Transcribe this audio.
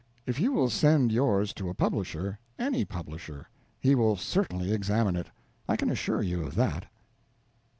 If you will send yours to a publisher any publisher he will certainly examine it, I can assure you of that.